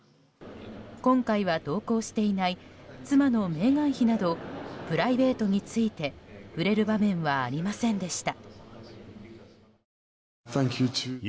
今回は同行していない妻のメーガン妃などプライベートについて触れる場面はありませんでした。